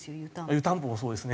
湯たんぽもそうですね。